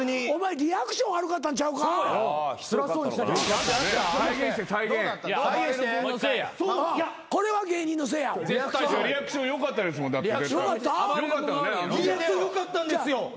リアクション良かったんですよ。